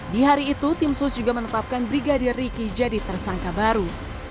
di hari itu tim sus juga menetapkan brigadir riki jadi tersangka baru